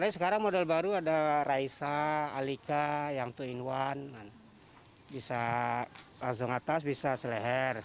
sekarang model baru ada raisa alika yang dua in satu bisa langsung atas bisa seleher